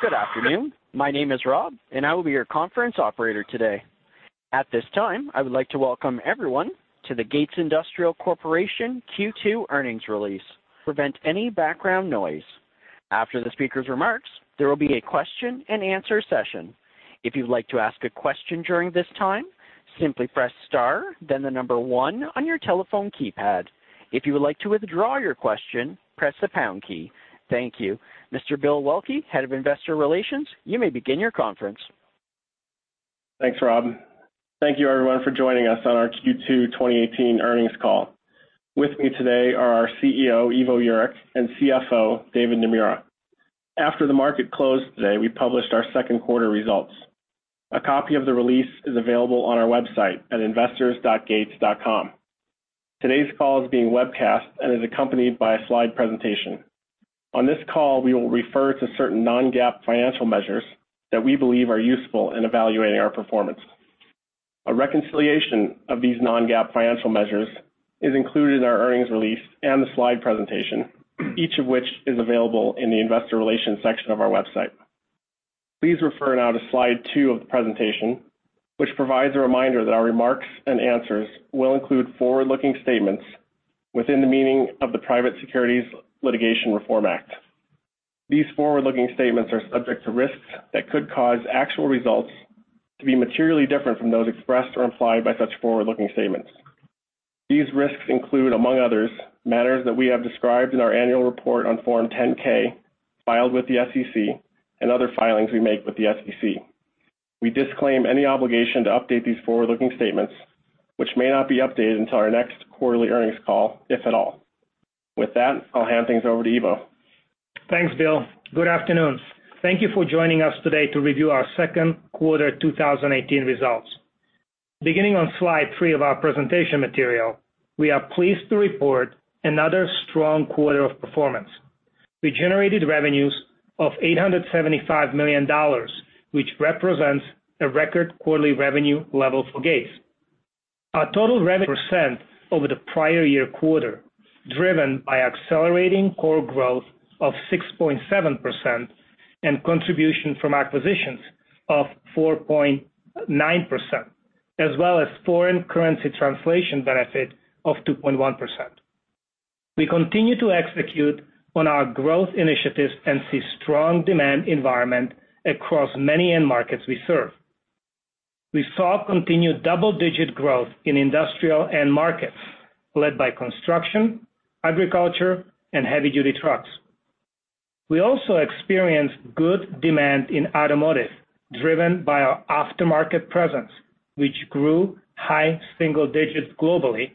Good afternoon. My name is Rob, and I will be your conference operator today. At this time, I would like to welcome everyone to the Gates Industrial Corporation Q2 earnings release. Prevent any background noise. After the speaker's remarks, there will be a question-and-answer session. If you'd like to ask a question during this time, simply press star, then the number one on your telephone keypad. If you would like to withdraw your question, press the pound key. Thank you. Mr. Bill Waelke, Head of Investor Relations, you may begin your conference. Thanks, Rob. Thank you, everyone, for joining us on our Q2 2018 earnings call. With me today are our CEO, Ivo Jurek, and CFO, David Naime. After the market closed today, we published our second quarter results. A copy of the release is available on our website at investors.gates.com. Today's call is being webcast and is accompanied by a slide presentation. On this call, we will refer to certain non-GAAP financial measures that we believe are useful in evaluating our performance. A reconciliation of these non-GAAP financial measures is included in our earnings release and the slide presentation, each of which is available in the investor relations section of our website. Please refer now to slide two of the presentation, which provides a reminder that our remarks and answers will include forward-looking statements within the meaning of the Private Securities Litigation Reform Act. These forward-looking statements are subject to risks that could cause actual results to be materially different from those expressed or implied by such forward-looking statements. These risks include, among others, matters that we have described in our annual report on Form 10-K filed with the SEC and other filings we make with the SEC. We disclaim any obligation to update these forward-looking statements, which may not be updated until our next quarterly earnings call, if at all. With that, I'll hand things over to Ivo. Thanks, Bill. Good afternoon. Thank you for joining us today to review our second quarter 2018 results. Beginning on slide three of our presentation material, we are pleased to report another strong quarter of performance. We generated revenues of $875 million, which represents a record quarterly revenue level for Gates. Our total revenue is over the prior year quarter, driven by accelerating core growth of 6.7% and contribution from acquisitions of 4.9%, as well as foreign currency translation benefit of 2.1%. We continue to execute on our growth initiatives and see strong demand environment across many end markets we serve. We saw continued double-digit growth in industrial end markets led by construction, agriculture, and heavy-duty trucks. We also experienced good demand in automotive, driven by our aftermarket presence, which grew high single digits globally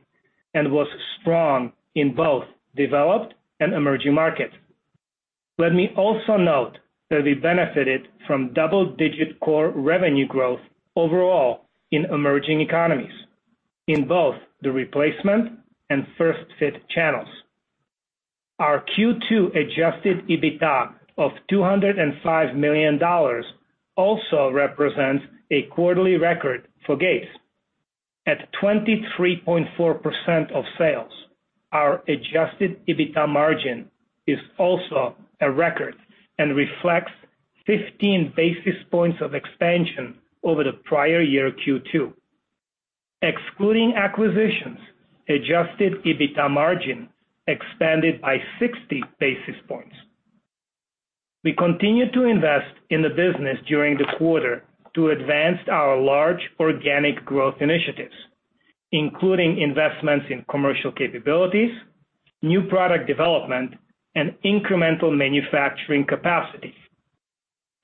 and was strong in both developed and emerging markets. Let me also note that we benefited from double-digit core revenue growth overall in emerging economies in both the replacement and first-fit channels. Our Q2 adjusted EBITDA of $205 million also represents a quarterly record for Gates. At 23.4% of sales, our adjusted EBITDA margin is also a record and reflects 15 basis points of expansion over the prior year Q2. Excluding acquisitions, adjusted EBITDA margin expanded by 60 basis points. We continue to invest in the business during the quarter to advance our large organic growth initiatives, including investments in commercial capabilities, new product development, and incremental manufacturing capacity.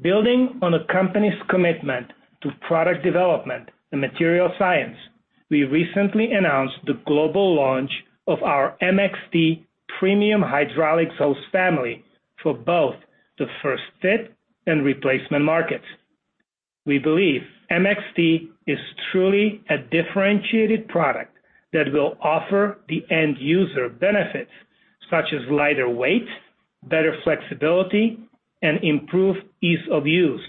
Building on the company's commitment to product development and material science, we recently announced the global launch of our MXT Premium Hydraulics Hose family for both the first-fit and replacement markets. We believe MXT is truly a differentiated product that will offer the end user benefits such as lighter weight, better flexibility, and improved ease of use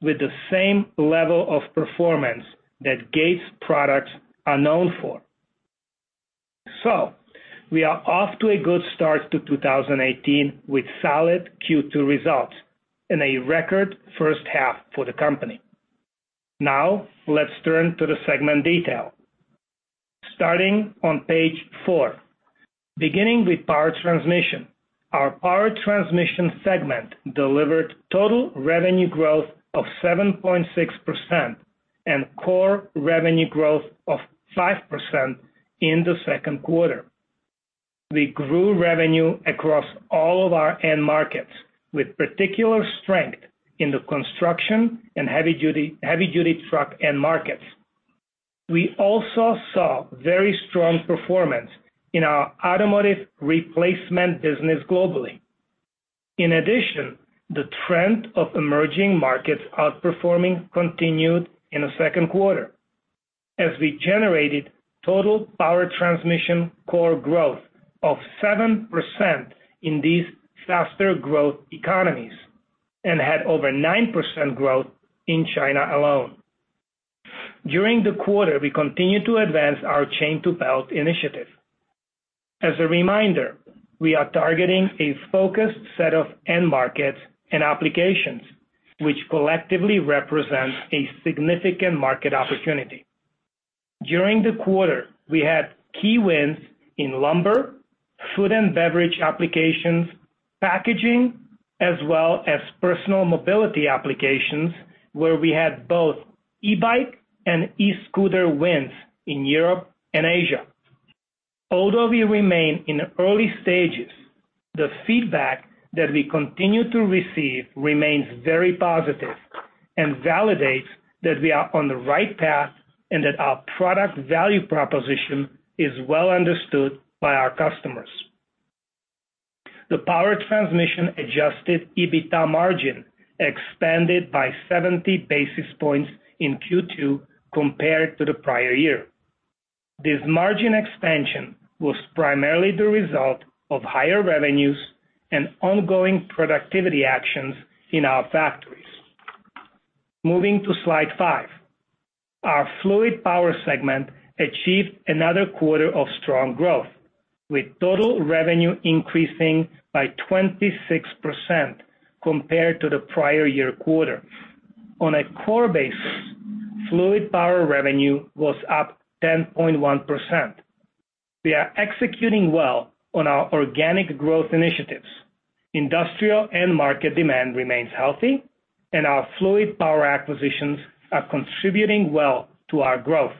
with the same level of performance that Gates' products are known for. We are off to a good start to 2018 with solid Q2 results and a record first half for the company. Now let's turn to the segment detail. Starting on page four, beginning with power transmission, our power transmission segment delivered total revenue growth of 7.6% and core revenue growth of 5% in the second quarter. We grew revenue across all of our end markets with particular strength in the construction and heavy-duty truck end markets. We also saw very strong performance in our automotive replacement business globally. In addition, the trend of emerging markets outperforming continued in the second quarter as we generated total power transmission core growth of 7% in thesefaster-growthh economies and had over 9% growth in China alone. During the quarter, we continued to advance our chain-to-belt initiative. As a reminder, we are targeting a focused set of end markets and applications, which collectively represent a significant market opportunity. During the quarter, we had key wins in lumber, food and beverage applications, packaging, as well as personal mobility applications where we had both e-bike and e-scooter wins in Europe and Asia. Although we remain in early stages, the feedback that we continue to receive remains very positive and validates that we are on the right path and that our product value proposition is well understood by our customers. The power transmission adjusted EBITDA margin expanded by 70 basis points in Q2 compared to the prior year. This margin expansion was primarily the result of higher revenues and ongoing productivity actions in our factories. Moving to slide five, our fluid power segment achieved another quarter of strong growth with total revenue increasing by 26% compared to the prior year quarter. On a core basis, fluid power revenue was up 10.1%. We are executing well on our organic growth initiatives. Industrial end market demand remains healthy, and our fluid power acquisitions are contributing well to our growth.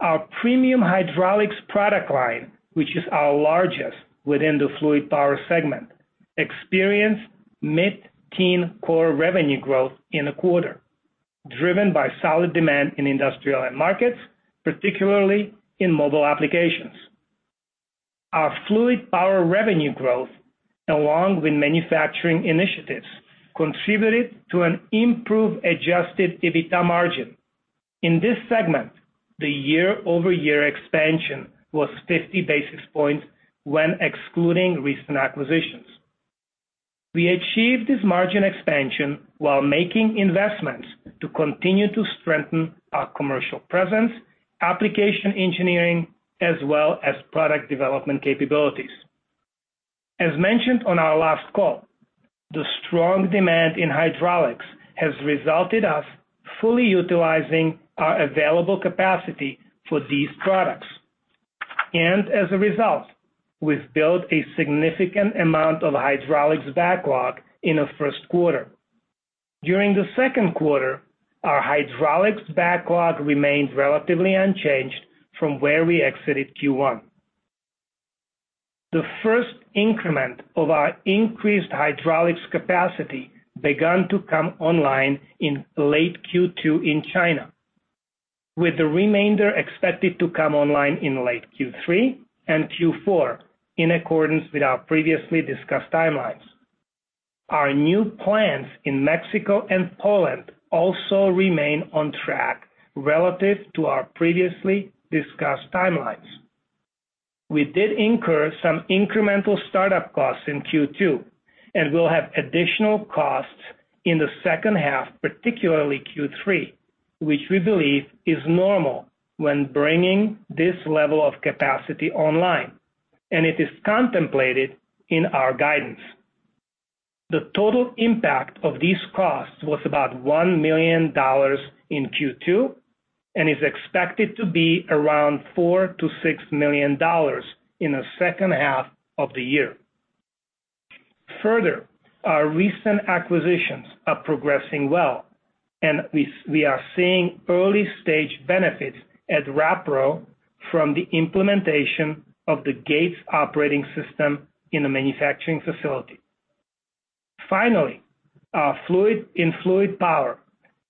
Our premium hydraulics product line, which is our largest within the fluid power segment, experienced mid-teen core revenue growth in a quarter driven by solid demand in industrial end markets, particularly in mobile applications. Our fluid power revenue growth, along with manufacturing initiatives, contributed to an improved adjusted EBITDA margin. In this segment, the year-over-year expansion was 50 basis points when excluding recent acquisitions. We achieved this margin expansion while making investments to continue to strengthen our commercial presence, application engineering, as well as product development capabilities. As mentioned on our last call, the strong demand in hydraulics has resulted in us fully utilizing our available capacity for these products. As a result, we've built a significant amount of hydraulics backlog in the first quarter. During the second quarter, our hydraulics backlog remained relatively unchanged from where we exited Q1. The first increment of our increased hydraulics capacity began to come online in late Q2 in China, with the remainder expected to come online in late Q3 and Q4 in accordance with our previously discussed timelines. Our new plans in Mexico and Poland also remain on track relative to our previously discussed timelines. We did incur some incremental startup costs in Q2 and will have additional costs in the second half, particularly Q3, which we believe is normal when bringing this level of capacity online, and it is contemplated in our guidance. The total impact of these costs was about $1 million in Q2 and is expected to be around $4 million -$6 million in the second half of the year. Further, our recent acquisitions are progressing well, and we are seeing early-stage benefits at Wrapro from the implementation of the Gates operating system in a manufacturing facility. Finally, in fluid power,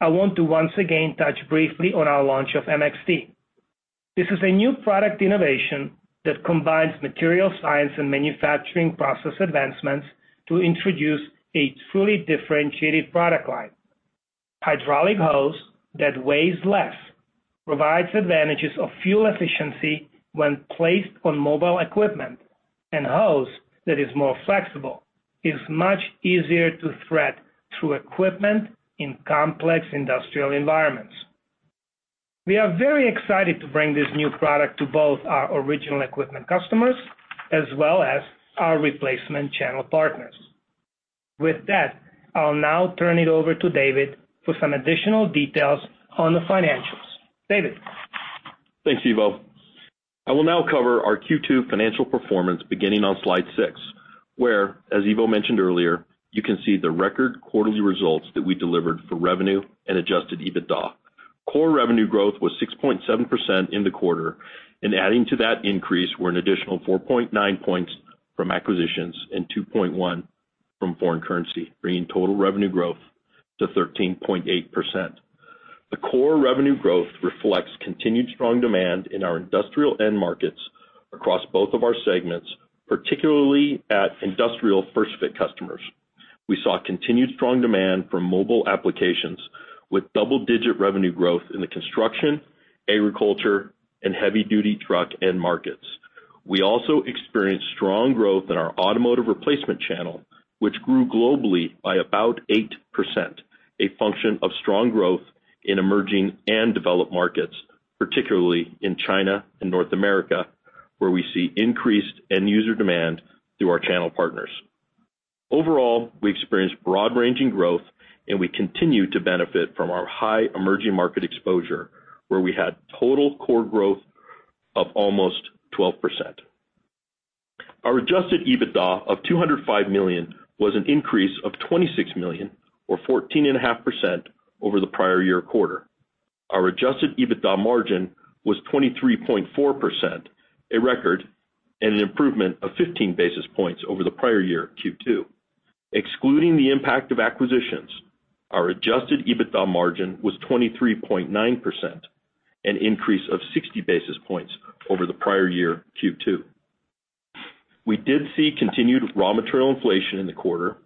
I want to once again touch briefly on our launch of MXT. This is a new product innovation that combines material science and manufacturing process advancements to introduce a truly differentiated product line. Hydraulic hose that weighs less provides advantages of fuel efficiency when placed on mobile equipment, and hose that is more flexible is much easier to thread through equipment in complex industrial environments. We are very excited to bring this new product to both our original equipment customers as well as our replacement channel partners. With that, I'll now turn it over to David for some additional details on the financials. David. Thanks, Ivo. I will now cover our Q2 financial performance beginning on slide six, where, as Ivo mentioned earlier, you can see the record quarterly results that we delivered for revenue and adjusted EBITDA. Core revenue growth was 6.7% in the quarter, and adding to that increase were an additional 4.9 percentage points from acquisitions and 2.1 from foreign currency, bringing total revenue growth to 13.8%. The core revenue growth reflects continued strong demand in our industrial end markets across both of our segments, particularly at industrial first-fit customers. We saw continued strong demand from mobile applications with double-digit revenue growth in the construction, agriculture, and heavy-duty truck end markets. We also experienced strong growth in our automotive replacement channel, which grew globally by about 8%, a function of strong growth in emerging and developed markets, particularly in China and North America, where we see increased end-user demand through our channel partners. Overall, we experienced broad-ranging growth, and we continue to benefit from our high emerging market exposure, where we had total core growth of almost 12%. Our adjusted EBITDA of $205 million was an increase of $26 million, or 14.5%, over the prior year quarter. Our adjusted EBITDA margin was 23.4%, a record and an improvement of 15 basis points over the prior year Q2. Excluding the impact of acquisitions, our adjusted EBITDA margin was 23.9%, an increase of 60 basis points over the prior year Q2. We did see continued raw material inflation in the quarter,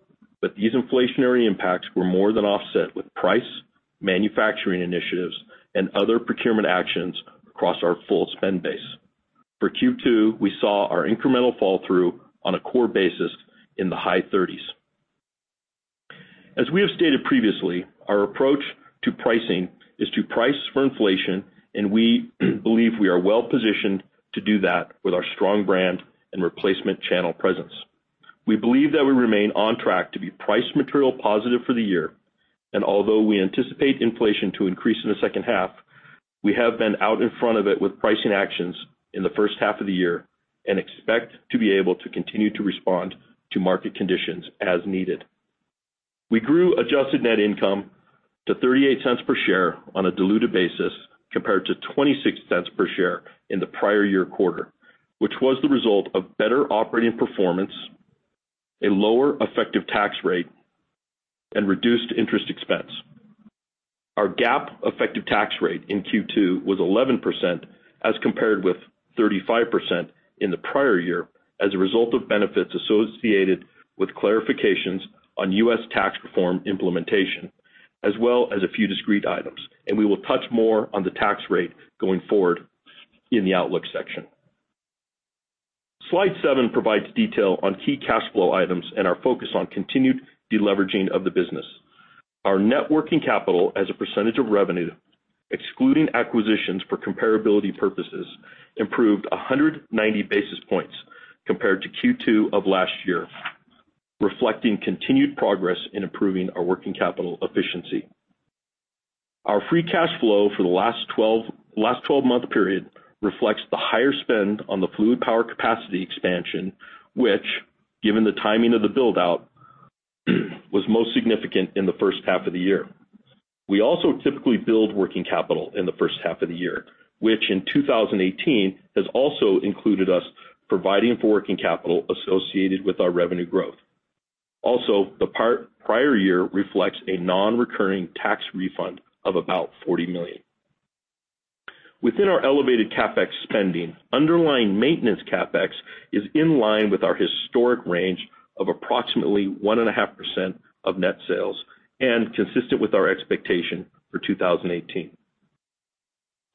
but these inflationary impacts were more than offset with price, manufacturing initiatives, and other procurement actions across our full spend base. For Q2, we saw our incremental fall-through on a core basis in the high 30s. As we have stated previously, our approach to pricing is to price for inflation, and we believe we are well-positioned to do that with our strong brand and replacement channel presence. We believe that we remain on track to be price material positive for the year, and although we anticipate inflation to increase in the second half, we have been out in front of it with pricing actions in the first half of the year and expect to be able to continue to respond to market conditions as needed. We grew adjusted net income to $0.38 per share on a diluted basis compared to $0.26 per share in the prior year quarter, which was the result of better operating performance, a lower effective tax rate, and reduced interest expense. Our GAAP effective tax rate in Q2 was 11% as compared with 35% in the prior year as a result of benefits associated with clarifications on U.S. tax reform implementation, as well as a few discrete items. We will touch more on the tax rate going forward in the outlook section. Slide seven provides detail on key cash flow items and our focus on continued deleveraging of the business. Our net working capital as a percentage of revenue, excluding acquisitions for comparability purposes, improved 190 basis points compared to Q2 of last year, reflecting continued progress in improving our working capital efficiency. Our free cash flow for the last 12-month period reflects the higher spend on the fluid power capacity expansion, which, given the timing of the build-out, was most significant in the first half of the year. We also typically build working capital in the first half of the year, which in 2018 has also included us providing for working capital associated with our revenue growth. Also, the prior year reflects a non-recurring tax refund of about $40 million. Within our elevated CapEx spending, underlying maintenance CapEx is in line with our historic range of approximately 1.5% of net sales and consistent with our expectation for 2018.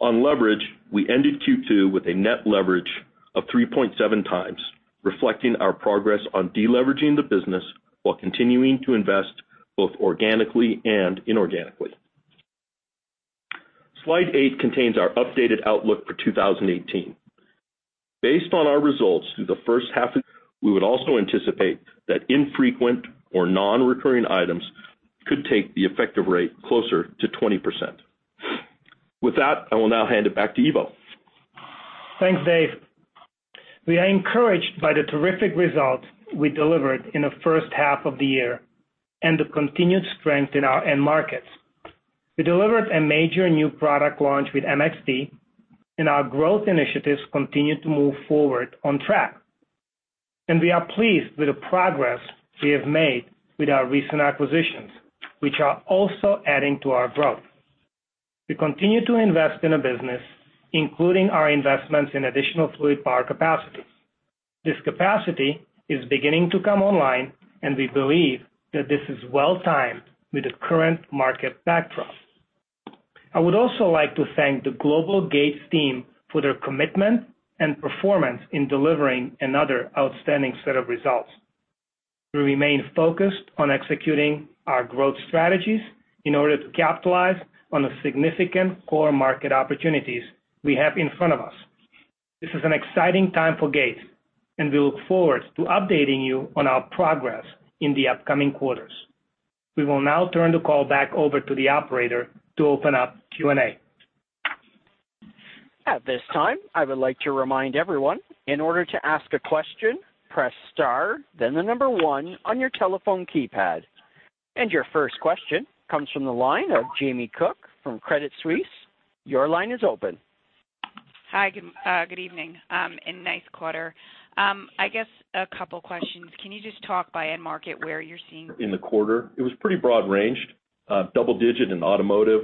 On leverage, we ended Q2 with a net leverage of 3.7 times, reflecting our progress on deleveraging the business while continuing to invest both organically and inorganically. Slide eight contains our updated outlook for 2018. Based on our results through the first half of the year, we would also anticipate that infrequent or non-recurring items could take the effective rate closer to 20%. With that, I will now hand it back to Ivo. Thanks, Dave. We are encouraged by the terrific results we delivered in the first half of the year and the continued strength in our end markets. We delivered a major new product launch with MXT, and our growth initiatives continue to move forward on track. We are pleased with the progress we have made with our recent acquisitions, which are also adding to our growth. We continue to invest in the business, including our investments in additional fluid power capacity. This capacity is beginning to come online, and we believe that this is well-timed with the current market backdrop. I would also like to thank the global Gates team for their commitment and performance in delivering another outstanding set of results. We remain focused on executing our growth strategies in order to capitalize on the significant core market opportunities we have in front of us. This is an exciting time for Gates, and we look forward to updating you on our progress in the upcoming quarters. We will now turn the call back over to the operator to open up Q&A. At this time, I would like to remind everyone, in order to ask a question, press star, then the number one on your telephone keypad. Your first question comes from the line of Jamie Cook from Credit Suisse. Your line is open. Hi, good evening and nice quarter. I guess a couple of questions. Can you just talk by end market where you're seeing? In the quarter, it was pretty broad-ranged, double-digit in automotive,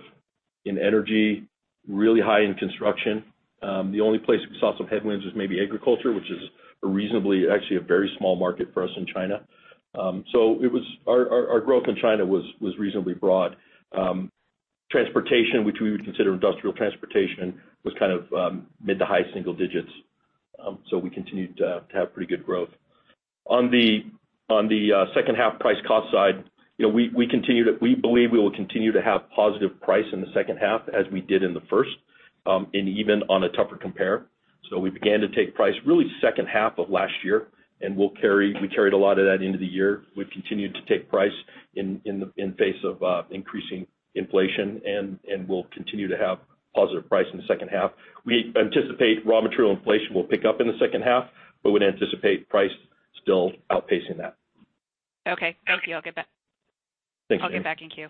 in energy, really high in construction. The only place we saw some headwinds was maybe agriculture, which is reasonably actually a very small market for us in China. So our growth in China was reasonably broad. Transportation, which we would consider industrial transportation, was kind of mid to high single digits. We continued to have pretty good growth. On the second half price cost side, we believe we will continue to have positive price in the second half as we did in the first, and even on a tougher compare. We began to take price really second half of last year, and we carried a lot of that into the year. We've continued to take price in the face of increasing inflation, and we'll continue to have positive price in the second half. We anticipate raw material inflation will pick up in the second half, but we'd anticipate price still outpacing that. Okay. Thank you. I'll get back. Thank you. I'll get back in Q.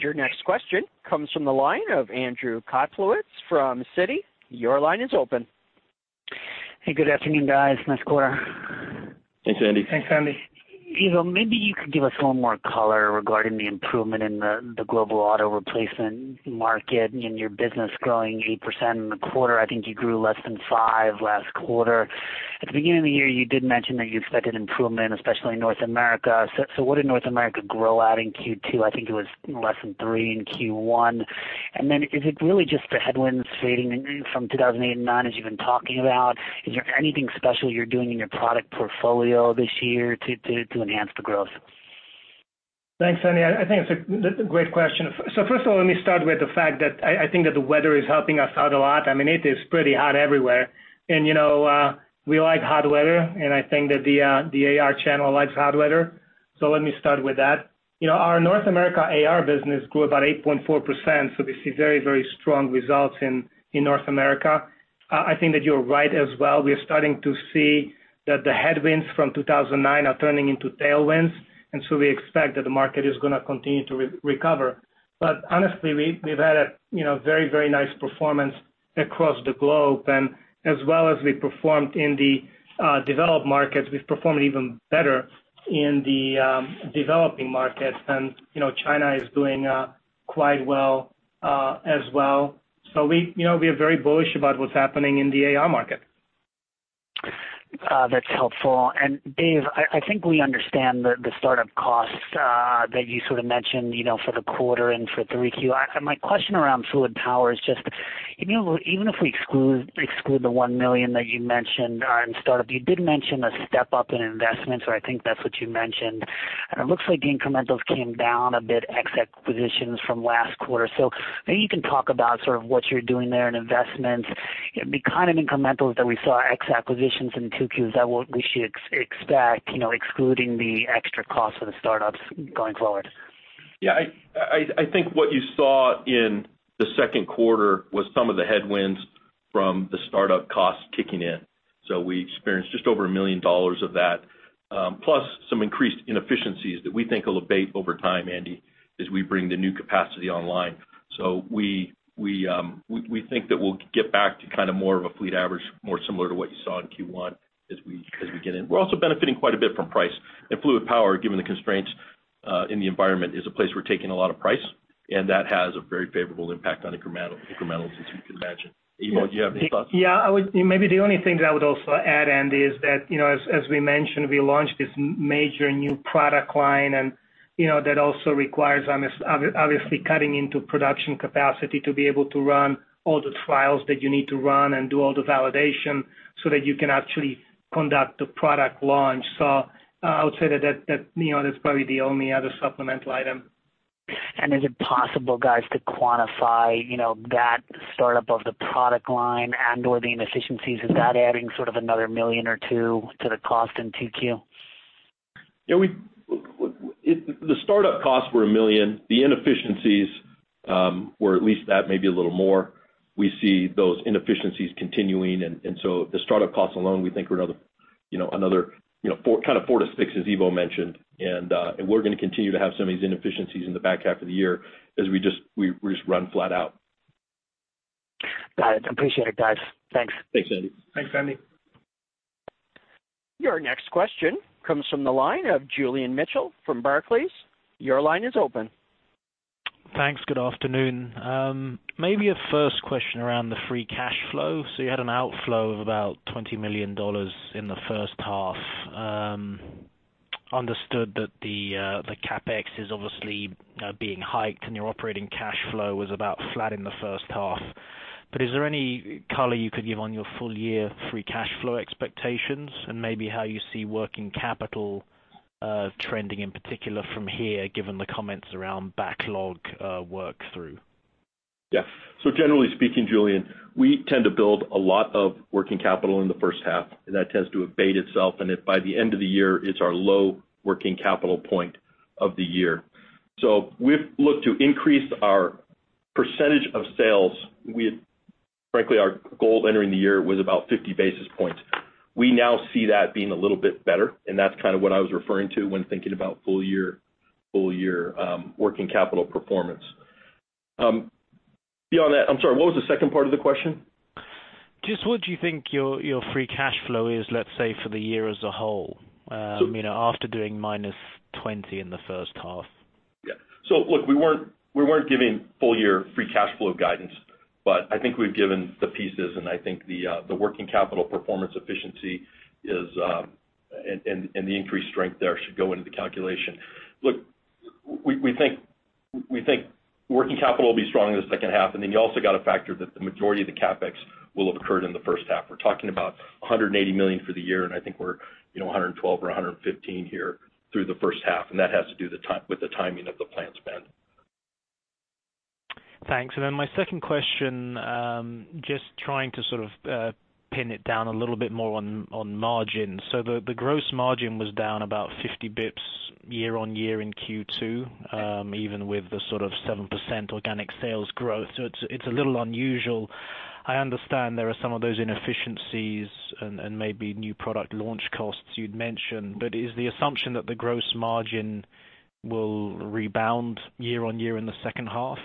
Your next question comes from the line of Andrew Kaplowitz from Citi. Your line is open. Hey, good afternoon, guys. Nice quarter. Thanks, Andy. Thanks, Andy. Ivo, maybe you could give us a little more color regarding the improvement in the global auto replacement market and your business growing 8% in the quarter. I think you grew less than 5% last quarter. At the beginning of the year, you did mention that you expected improvement, especially in North America. What did North America grow at in Q2? I think it was less than 3% in Q1. Is it really just the headwinds fading from 2008 and 2009 as you've been talking about? Is there anything special you're doing in your product portfolio this year to enhance the growth? Thanks, Andy. I think it's a great question. First of all, let me start with the fact that I think that the weather is helping us out a lot. I mean, it is pretty hot everywhere. We like hot weather, and I think that the AR channel likes hot weather. Let me start with that. Our North America AR business grew about 8.4%, so we see very, very strong results in North America. I think that you're right as well. We are starting to see that the headwinds from 2009 are turning into tailwinds, and we expect that the market is going to continue to recover. Honestly, we've had a very, very nice performance across the globe. As well as we performed in the developed markets, we've performed even better in the developing markets. China is doing quite well as well. We are very bullish about what's happening in the AR market. That's helpful. Dave, I think we understand the startup costs that you sort of mentioned for the quarter and for 3Q. My question around fluid power is just, even if we exclude the $1 million that you mentioned in startup, you did mention a step up in investments, or I think that's what you mentioned. It looks like the incrementals came down a bit, ex acquisitions from last quarter. Maybe you can talk about sort of what you're doing there in investments, the kind of incrementals that we saw ex acquisitions in 2Qs that we should expect, excluding the extra costs of the startups going forward. Yeah. I think what you saw in the second quarter was some of the headwinds from the startup costs kicking in. We experienced just over $1 million of that, plus some increased inefficiencies that we think will abate over time, Andy, as we bring the new capacity online. We think that we'll get back to kind of more of a fleet average, more similar to what you saw in Q1 as we get in. We're also benefiting quite a bit from price. Fluid power, given the constraints in the environment, is a place we're taking a lot of price, and that has a very favorable impact on incrementals, as you can imagine. Ivo, do you have any thoughts? Yeah. Maybe the only thing that I would also add, Andy, is that, as we mentioned, we launched this major new product line, and that also requires us obviously cutting into production capacity to be able to run all the trials that you need to run and do all the validation so that you can actually conduct the product launch. I would say that that's probably the only other supplemental item. Is it possible, guys, to quantify that startup of the product line and/or the inefficiencies? Is that adding sort of another million or two to the cost in 2Q? Yeah. The startup costs were $1 million. The inefficiencies were at least that, maybe a little more. We see those inefficiencies continuing. The startup costs alone, we think, are another kind of $4 million-$6 million as Ivo mentioned. We are going to continue to have some of these inefficiencies in the back half of the year as we just run flat out. Got it. Appreciate it, guys. Thanks. Thanks, Andy. Thanks, Andy. Your next question comes from the line of Julian Mitchell from Barclays. Your line is open. Thanks. Good afternoon. Maybe a first question around the free cash flow. You had an outflow of about $20 million in the first half. Understood that the CapEx is obviously being hiked and your operating cash flow was about flat in the first half. Is there any color you could give on your full-year free cash flow expectations and maybe how you see working capital trending in particular from here, given the comments around backlog work through? Yeah. Generally speaking, Julian, we tend to build a lot of working capital in the first half, and that tends to abate itself. By the end of the year, it is our low working capital point of the year. We have looked to increase our percentage of sales. Frankly, our goal entering the year was about 50 basis points. We now see that being a little bit better, and that is kind of what I was referring to when thinking about full-year working capital performance. Beyond that, I am sorry, what was the second part of the question? Just what do you think your free cash flow is, let's say, for the year as a whole after doing minus $20 million in the first half? Yeah. Look, we were not giving full-year free cash flow guidance, but I think we have given the pieces, and I think the working capital performance efficiency and the increased strength there should go into the calculation. Look, we think working capital will be strong in the second half, and then you also have to factor that the majority of the CapEx will have occurred in the first half. We are talking about $180 million for the year, and I think we are $112 million or $115 million here through the first half, and that has to do with the timing of the planned spend. Thanks. Then my second question, just trying to sort of pin it down a little bit more on margin. The gross margin was down about 50 basis points year on year in Q2, even with the sort of 7% organic sales growth. It is a little unusual. I understand there are some of those inefficiencies and maybe new product launch costs you mentioned, but is the assumption that the gross margin will rebound year on year in the second half?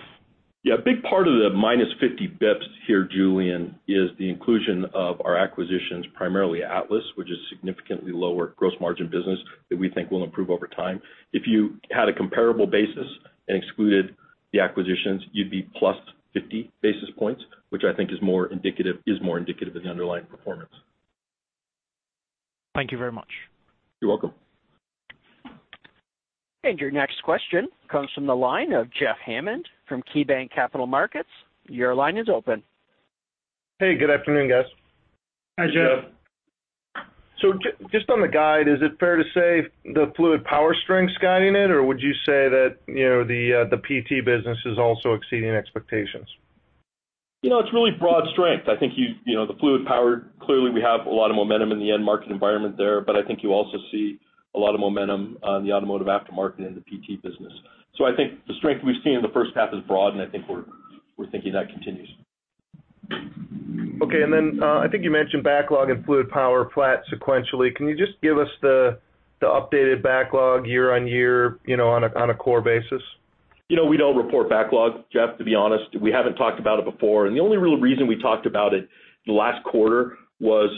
Yeah. A big part of the minus 50 basis points here, Julian, is the inclusion of our acquisitions, primarily Atlas, which is a significantly lower gross margin business that we think will improve over time. If you had a comparable basis and excluded the acquisitions, you'd be plus 50 basis points, which I think is more indicative of the underlying performance. Thank you very much. You're welcome. Your next question comes from the line of Jeff Hammond from KeyBanc Capital Markets. Your line is open. Hey, good afternoon, guys. Hi, Jeff. Just on the guide, is it fair to say the fluid power strength's guiding it, or would you say that the PT business is also exceeding expectations? It's really broad strength. I think the fluid power, clearly, we have a lot of momentum in the end market environment there, but I think you also see a lot of momentum on the automotive aftermarket and the PT business. I think the strength we've seen in the first half is broad, and I think we're thinking that continues. Okay. I think you mentioned backlog and fluid power flat sequentially. Can you just give us the updated backlog year on year on a core basis? We do not report backlog, Jeff, to be honest. We have not talked about it before. The only real reason we talked about it in the last quarter was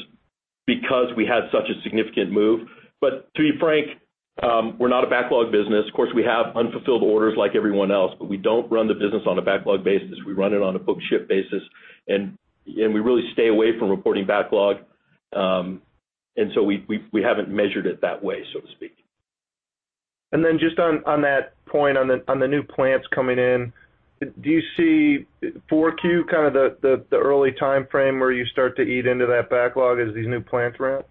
because we had such a significant move. To be frank, we are not a backlog business. Of course, we have unfulfilled orders like everyone else, but we do not run the business on a backlog basis. We run it on a book-to-ship basis, and we really stay away from reporting backlog. We have not measured it that way, so to speak. Just on that point, on the new plants coming in, do you see Q4 kind of the early timeframe where you start to eat into that backlog as these new plants run?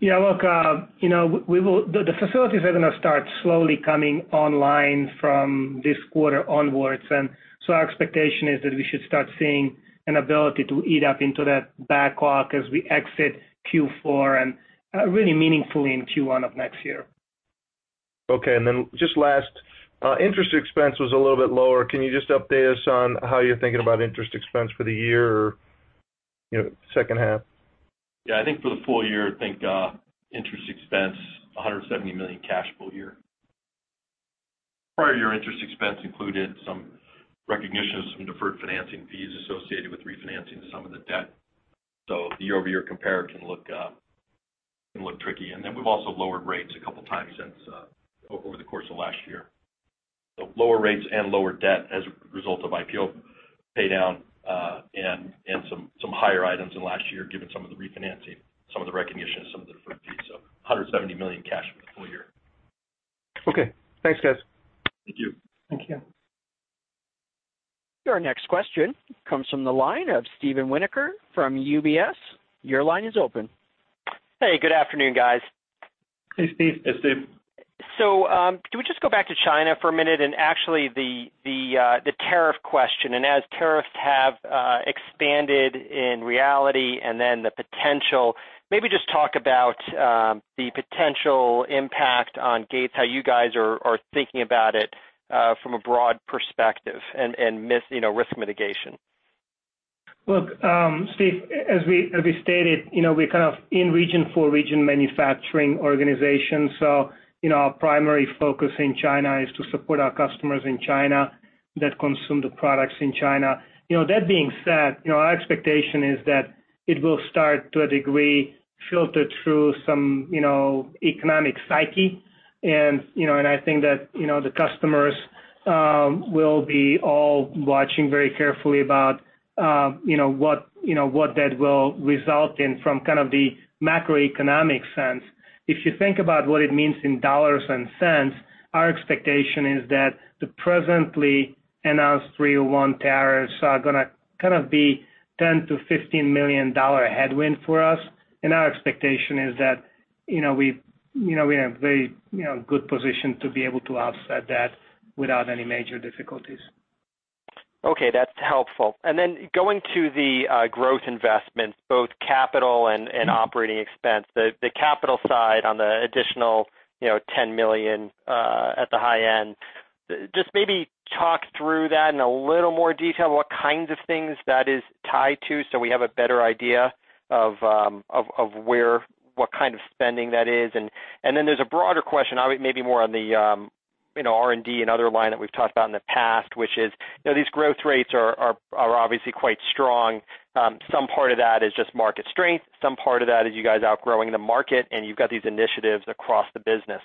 Yeah. Look, the facilities are going to start slowly coming online from this quarter onwards. Our expectation is that we should start seeing an ability to eat up into that backlog as we exit Q4 and really meaningfully in Q1 of next year. Okay. And then just last, interest expense was a little bit lower. Can you just update us on how you're thinking about interest expense for the year or second half? Yeah. I think for the full year, I think interest expense, $170 million cash flow year. Prior-year interest expense included some recognition of some deferred financing fees associated with refinancing some of the debt. The year-over-year compare can look tricky. We have also lowered rates a couple of times over the course of last year. Lower rates and lower debt as a result of IPO paydown and some higher items in last year, given some of the refinancing, some of the recognition, some of the deferred fees. $170 million cash for the full year. Okay. Thanks, guys. Thank you. Thank you. Your next question comes from the line of Steven Winawer from UBS. Your line is open. Hey, good afternoon, guys. Hey, Steve. Hey, Steve. Can we just go back to China for a minute and actually the tariff question? As tariffs have expanded in reality and then the potential, maybe just talk about the potential impact on Gates, how you guys are thinking about it from a broad perspective and risk mitigation. Look, Steve, as we stated, we're kind of in-region for region manufacturing organizations. Our primary focus in China is to support our customers in China that consume the products in China. That being said, our expectation is that it will start to a degree filter through some economic psyche. I think that the customers will be all watching very carefully about what that will result in from kind of the macroeconomic sense. If you think about what it means in dollars and cents, our expectation is that the presently announced 301 tariffs are going to kind of be a $10 million-$15 million headwind for us. Our expectation is that we're in a very good position to be able to offset that without any major difficulties. Okay. That's helpful. Going to the growth investments, both capital and operating expense, the capital side on the additional $10 million at the high end, just maybe talk through that in a little more detail. What kinds of things that is tied to so we have a better idea of what kind of spending that is? There is a broader question, maybe more on the R&D and other line that we've talked about in the past, which is these growth rates are obviously quite strong. Some part of that is just market strength. Some part of that is you guys outgrowing the market, and you've got these initiatives across the business.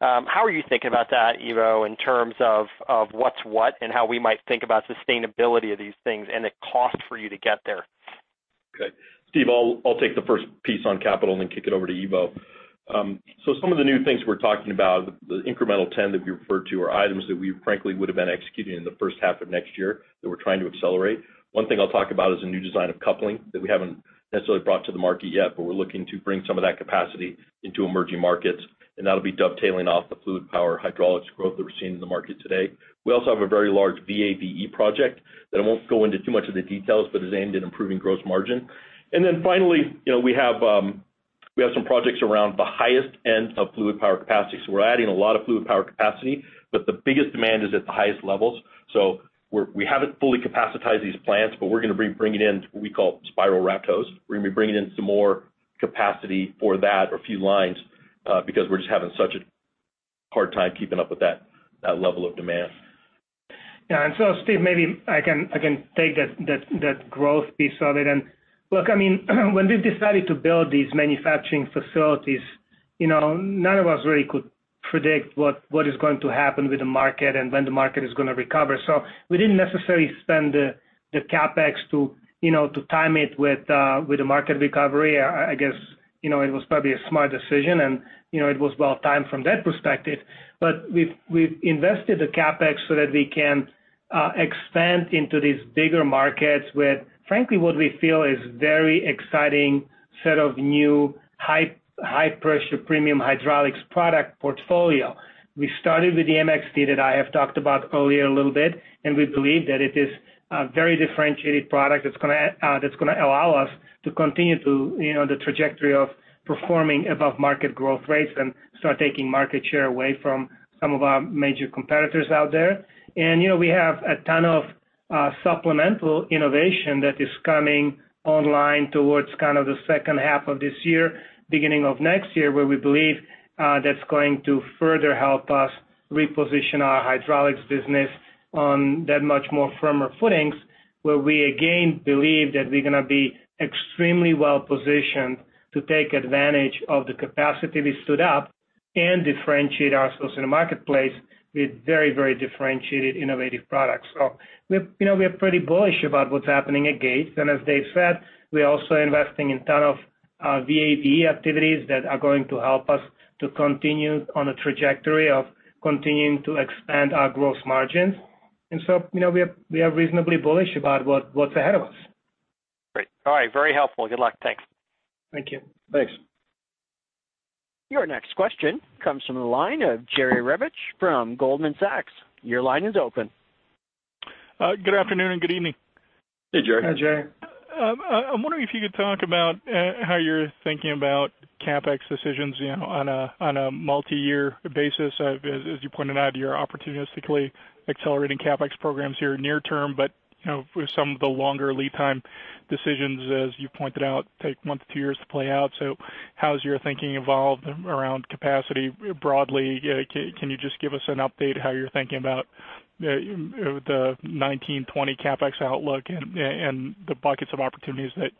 How are you thinking about that, Ivo, in terms of what's what and how we might think about sustainability of these things and the cost for you to get there? Okay. Steve, I'll take the first piece on capital and then kick it over to Ivo. Some of the new things we're talking about, the incremental 10 that we referred to, are items that we, frankly, would have been executing in the first half of next year that we're trying to accelerate. One thing I'll talk about is a new design of coupling that we haven't necessarily brought to the market yet, but we're looking to bring some of that capacity into emerging markets. That will be dovetailing off the fluid power hydraulics growth that we're seeing in the market today. We also have a very large VAVE project that I won't go into too much of the details, but it's aimed at improving gross margin. Finally, we have some projects around the highest end of fluid power capacity. We're adding a lot of fluid power capacity, but the biggest demand is at the highest levels. We haven't fully capacitized these plants, but we're going to be bringing in what we call spiral wrap hoses. We're going to be bringing in some more capacity for that or a few lines because we're just having such a hard time keeping up with that level of demand. Yeah. Steve, maybe I can take that growth piece of it. Look, I mean, when we've decided to build these manufacturing facilities, none of us really could predict what is going to happen with the market and when the market is going to recover. We didn't necessarily spend the CapEx to time it with the market recovery. I guess it was probably a smart decision, and it was well-timed from that perspective. We've invested the CapEx so that we can expand into these bigger markets with, frankly, what we feel is a very exciting set of new high-pressure premium hydraulics product portfolio. We started with the MXT that I have talked about earlier a little bit, and we believe that it is a very differentiated product that's going to allow us to continue the trajectory of performing above market growth rates and start taking market share away from some of our major competitors out there. We have a ton of supplemental innovation that is coming online towards kind of the second half of this year, beginning of next year, where we believe that's going to further help us reposition our hydraulics business on that much more firmer footings, where we again believe that we're going to be extremely well-positioned to take advantage of the capacity we stood up and differentiate ourselves in the marketplace with very, very differentiated innovative products. We are pretty bullish about what's happening at Gates. As Dave said, we are also investing in a ton of VAVE activities that are going to help us to continue on the trajectory of continuing to expand our gross margins. We are reasonably bullish about what is ahead of us. Great. All right. Very helpful. Good luck. Thanks. Thank you. Thanks. Your next question comes from the line of Jerry Revich from Goldman Sachs. Your line is open. Good afternoon and good evening. Hey, Jerry. Hi, Jerry. I'm wondering if you could talk about how you're thinking about CapEx decisions on a multi-year basis. As you pointed out, you're opportunistically accelerating CapEx programs here near term, but some of the longer lead time decisions, as you pointed out, take one to two years to play out. How's your thinking evolved around capacity broadly? Can you just give us an update of how you're thinking about the 2019, 2020 CapEx outlook and the buckets of opportunities that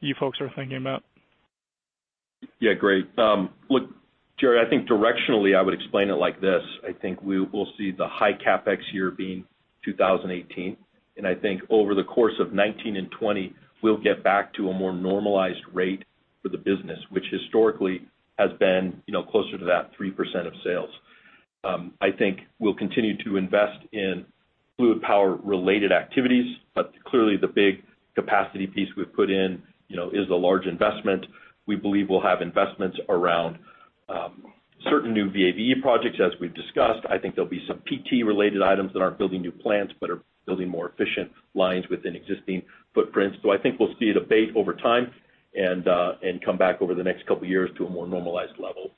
you folks are thinking about? Yeah. Great. Look, Jerry, I think directionally, I would explain it like this. I think we'll see the high CapEx year being 2018. I think over the course of 2019 and 2020, we'll get back to a more normalized rate for the business, which historically has been closer to that 3% of sales. I think we'll continue to invest in fluid power-related activities, but clearly, the big capacity piece we've put in is a large investment. We believe we'll have investments around certain new VAVE projects, as we've discussed. I think there'll be some PT-related items that aren't building new plants but are building more efficient lines within existing footprints. I think we'll see it abate over time and come back over the next couple of years to a more normalized level.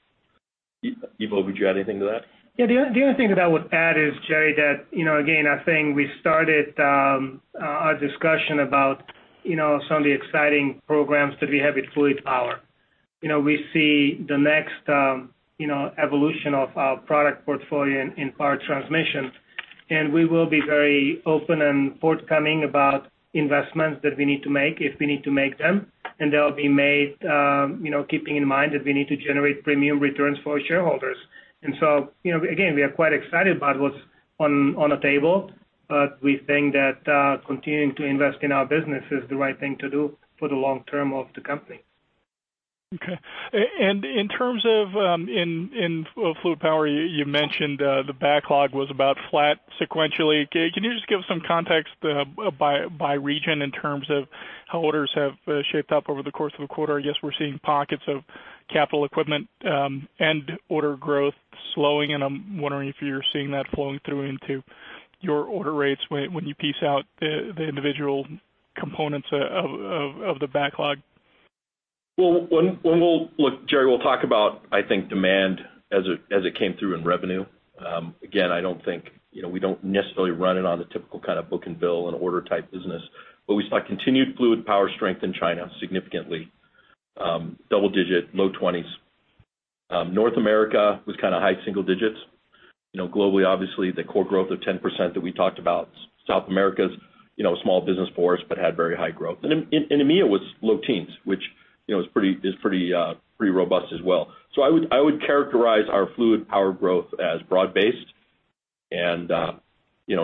Ivo, would you add anything to that? Yeah. The only thing that I would add is, Jerry, that, again, I think we started our discussion about some of the exciting programs that we have with fluid power. We see the next evolution of our product portfolio in power transmission. We will be very open and forthcoming about investments that we need to make if we need to make them. They will be made keeping in mind that we need to generate premium returns for shareholders. Again, we are quite excited about what's on the table, but we think that continuing to invest in our business is the right thing to do for the long term of the company. Okay. In terms of fluid power, you mentioned the backlog was about flat sequentially. Can you just give some context by region in terms of how orders have shaped up over the course of the quarter? I guess we're seeing pockets of capital equipment and order growth slowing. I'm wondering if you're seeing that flowing through into your order rates when you piece out the individual components of the backlog. Look, Jerry, we'll talk about, I think, demand as it came through in revenue. Again, I don't think we don't necessarily run it on the typical kind of book and bill and order type business, but we saw continued fluid power strength in China significantly, double digits, low 20s. North America was kind of high single digits. Globally, obviously, the core growth of 10% that we talked about. South America's small business force but had very high growth. EMEA was low teens, which is pretty robust as well. I would characterize our fluid power growth as broad-based and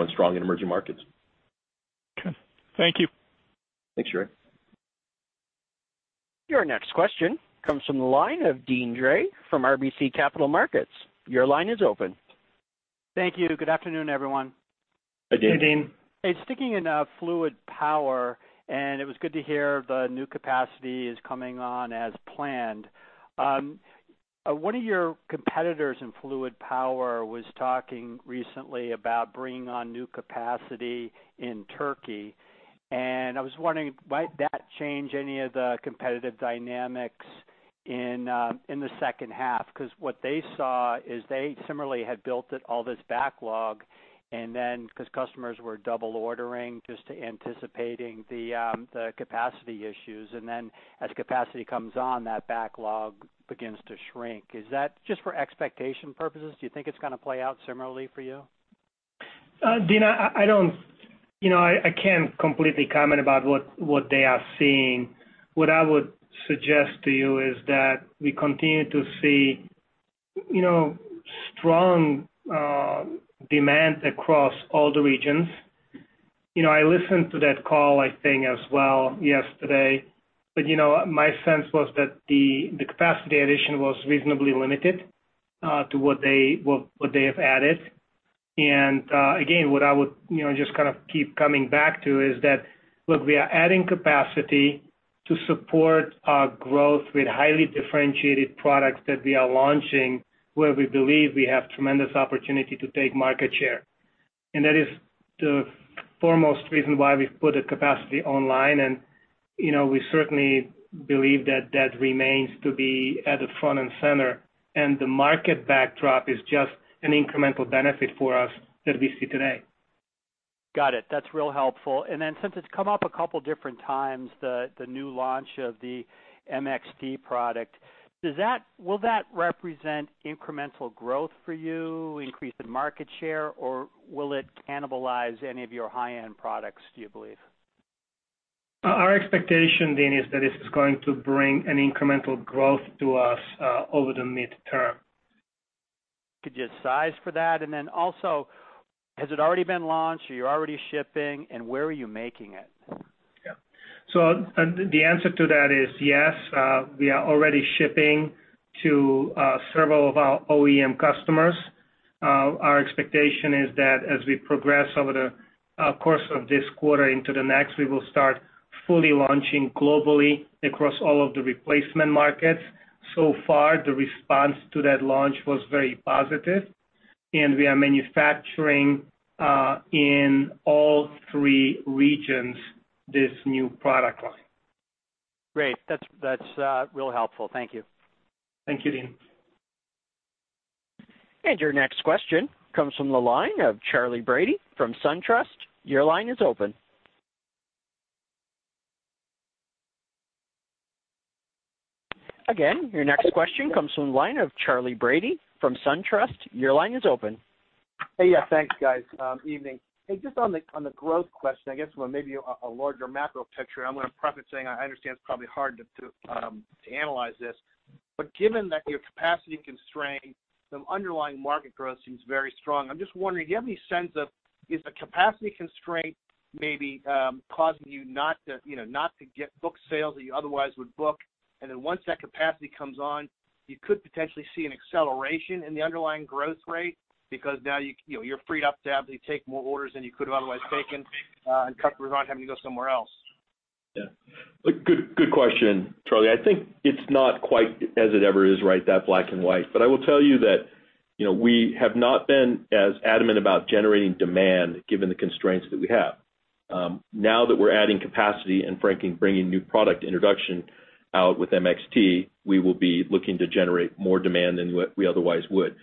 strong in emerging markets. Okay. Thank you. Thanks, Jerry. Your next question comes from the line of Dean Dray from RBC Capital Markets. Your line is open. Thank you. Good afternoon, everyone. Hey, Dean. Hey, Dean. Hey. Sticking in fluid power, and it was good to hear the new capacity is coming on as planned. One of your competitors in fluid power was talking recently about bringing on new capacity in Turkey. I was wondering, might that change any of the competitive dynamics in the second half? What they saw is they similarly had built all this backlog because customers were double ordering just anticipating the capacity issues. As capacity comes on, that backlog begins to shrink. Is that just for expectation purposes? Do you think it's going to play out similarly for you? Dean, I can't completely comment about what they are seeing. What I would suggest to you is that we continue to see strong demand across all the regions. I listened to that call, I think, as well yesterday. My sense was that the capacity addition was reasonably limited to what they have added. What I would just kind of keep coming back to is that, look, we are adding capacity to support our growth with highly differentiated products that we are launching where we believe we have tremendous opportunity to take market share. That is the foremost reason why we've put the capacity online. We certainly believe that that remains to be at the front and center. The market backdrop is just an incremental benefit for us that we see today. Got it. That's real helpful. Since it's come up a couple of different times, the new launch of the MXT product, will that represent incremental growth for you, increase in market share, or will it cannibalize any of your high-end products, do you believe? Our expectation, Dean, is that this is going to bring an incremental growth to us over the midterm. Could you size for that? Has it already been launched? Are you already shipping? Where are you making it? Yeah. The answer to that is yes. We are already shipping to several of our OEM customers. Our expectation is that as we progress over the course of this quarter into the next, we will start fully launching globally across all of the replacement markets. So far, the response to that launch was very positive. We are manufacturing in all three regions this new product line. Great. That's real helpful. Thank you. Thank you, Dean. Your next question comes from the line of Charley Brady from SunTrust. Your line is open. Your next question comes from the line of Charley Brady from SunTrust. Your line is open. Hey, yes. Thanks, guys. Good evening. Hey, just on the growth question, I guess from maybe a larger macro picture, I'm going to preface saying I understand it's probably hard to analyze this. Given that your capacity constraint, the underlying market growth seems very strong, I'm just wondering, do you have any sense of is the capacity constraint maybe causing you not to get booked sales that you otherwise would book? Once that capacity comes on, you could potentially see an acceleration in the underlying growth rate because now you're freed up to absolutely take more orders than you could have otherwise taken, and customers aren't having to go somewhere else. Yeah. Look, good question, Charley. I think it's not quite as it ever is, right, that black and white. I will tell you that we have not been as adamant about generating demand given the constraints that we have. Now that we're adding capacity and, frankly, bringing new product introduction out with MXT, we will be looking to generate more demand than we otherwise would.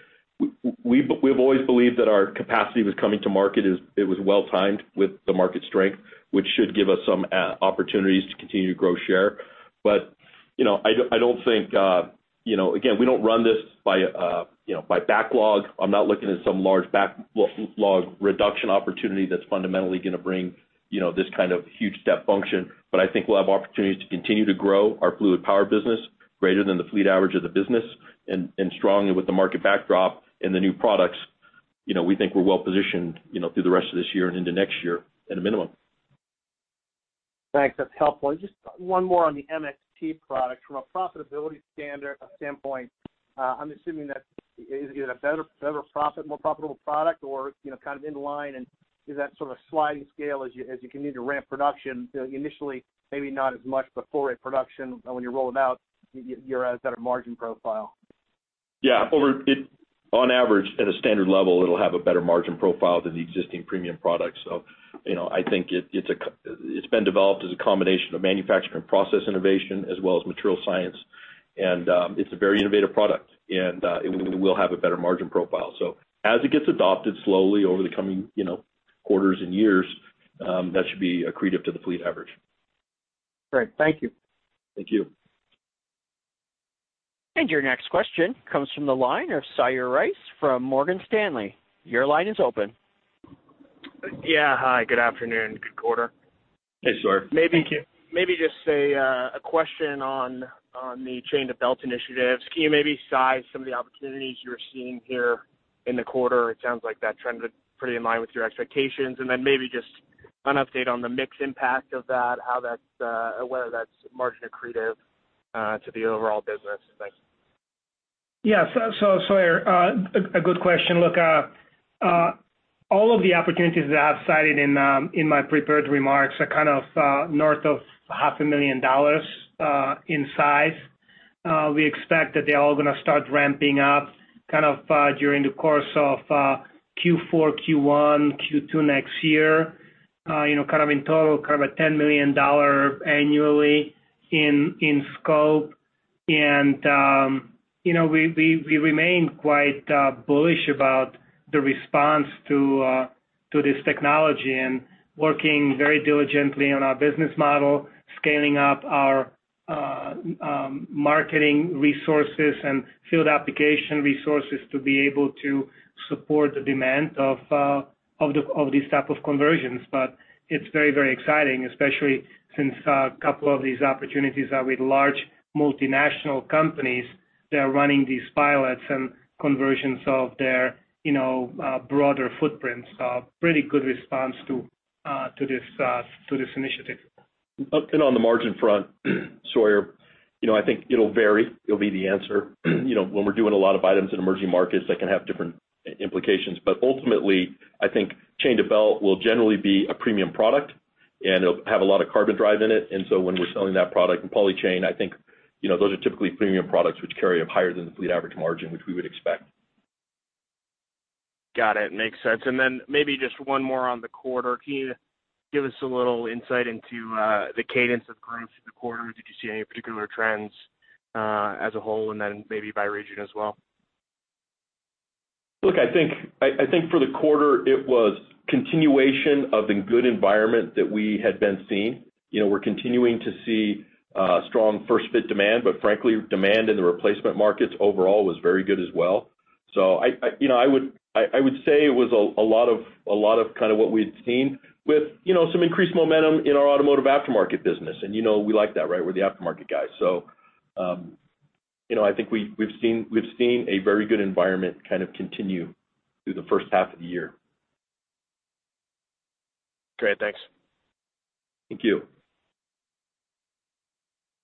We've always believed that our capacity was coming to market. It was well-timed with the market strength, which should give us some opportunities to continue to grow share. I don't think, again, we don't run this by backlog. I'm not looking at some large backlog reduction opportunity that's fundamentally going to bring this kind of huge step function. I think we'll have opportunities to continue to grow our fluid power business greater than the fleet average of the business. Strongly with the market backdrop and the new products, we think we're well-positioned through the rest of this year and into next year at a minimum. Thanks. That's helpful. Just one more on the MXT product. From a profitability standpoint, I'm assuming that is it a better, more profitable product or kind of in line? Is that sort of a sliding scale as you continue to ramp production? Initially, maybe not as much, but for rate production, when you roll it out, you're at a better margin profile. Yeah. On average, at a standard level, it'll have a better margin profile than the existing premium products. I think it's been developed as a combination of manufacturing and process innovation as well as material science. It's a very innovative product. We will have a better margin profile. As it gets adopted slowly over the coming quarters and years, that should be accretive to the fleet average. Great. Thank you. Thank you. Your next question comes from the line of Sire Rice from Morgan Stanley. Your line is open. Yeah. Hi. Good afternoon. Good quarter. Hey, Sire. Maybe just a question on the chain-to-belt initiatives. Can you maybe size some of the opportunities you're seeing here in the quarter? It sounds like that trend is pretty in line with your expectations. Maybe just an update on the mix impact of that, whether that's margin accretive to the overall business. Thanks. Yeah. Sire, a good question. Look, all of the opportunities that I've cited in my prepared remarks are kind of north of $500,000 in size. We expect that they're all going to start ramping up kind of during the course of Q4, Q1, Q2 next year, kind of in total, kind of a $10 million annually in scope. We remain quite bullish about the response to this technology and working very diligently on our business model, scaling up our marketing resources and field application resources to be able to support the demand of these types of conversions. It is very, very exciting, especially since a couple of these opportunities are with large multinational companies that are running these pilots and conversions of their broader footprints. Pretty good response to this initiative. On the margin front, Sire, I think it'll vary. It'll be the answer. When we're doing a lot of items in emerging markets, that can have different implications. Ultimately, I think chain-to-belt will generally be a premium product, and it'll have a lot of Carbon Drive in it. When we're selling that product in Poly Chain, I think those are typically premium products which carry up higher than the fleet average margin, which we would expect. Got it. Makes sense. Maybe just one more on the quarter. Can you give us a little insight into the cadence of growth through the quarter? Did you see any particular trends as a whole and then maybe by region as well? Look, I think for the quarter, it was continuation of the good environment that we had been seeing. We're continuing to see strong first-fit demand. Frankly, demand in the replacement markets overall was very good as well. I would say it was a lot of kind of what we had seen with some increased momentum in our automotive aftermarket business. We like that, right? We're the aftermarket guys. I think we've seen a very good environment kind of continue through the first half of the year. Great. Thanks. Thank you.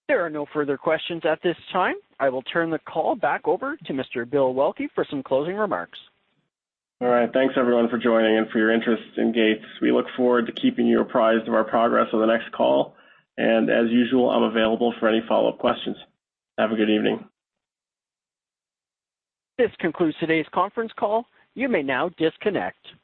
There are no further questions at this time. I will turn the call back over to Mr. Bill Waelke for some closing remarks. All right. Thanks, everyone, for joining and for your interest in Gates. We look forward to keeping you apprised of our progress on the next call. As usual, I'm available for any follow-up questions. Have a good evening. This concludes today's conference call. You may now disconnect.